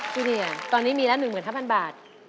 จูเนียตอนนี้มีแล้ว๑๕๐๐๐บาท